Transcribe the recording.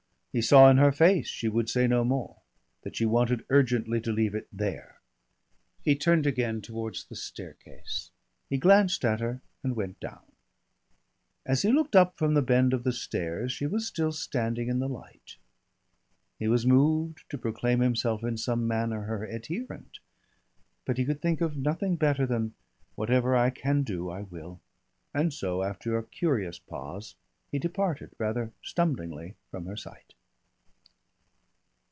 He saw in her face she would say no more, that she wanted urgently to leave it there. He turned again towards the staircase. He glanced at her and went down. As he looked up from the bend of the stairs she was still standing in the light. He was moved to proclaim himself in some manner her adherent, but he could think of nothing better than: "Whatever I can do I will." And so, after a curious pause, he departed, rather stumblingly, from her sight.